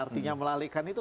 kj nya melalikan itu